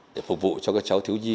để phục vụ cho các cháu thiếu di